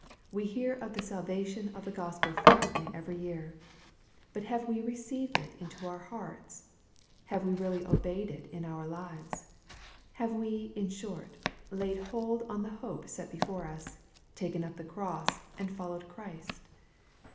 We hear of the salvation of the Gospel fre quently every year. But have we received it into our hearts ? Have we really obeyed it in our lives ? Have we, in short, laid hold on the hope set before us, taken up the cross, and followed Christ